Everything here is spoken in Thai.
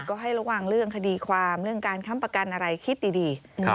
ก็ให้ระวังเรื่องคดีความเรื่องการค้ำประกันอะไรคิดดี